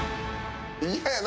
嫌やな